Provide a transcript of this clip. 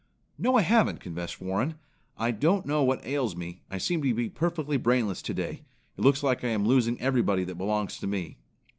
"No, I haven't," confessed Warren. "I don't know what ails me; I seem to be perfectly brainless today. It looks like I am losing everybody that belongs to me."